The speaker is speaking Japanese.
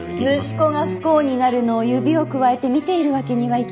息子が不幸になるのを指をくわえて見ているわけにはいきません。